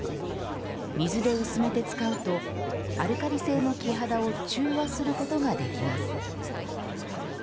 水で薄めて使うと、アルカリ性の木肌を中和することができます。